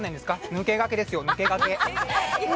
抜け駆けですよ、抜け駆け！